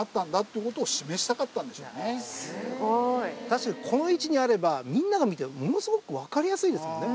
確かにこの位置にあればみんなが見てものすごくわかりやすいですもんね。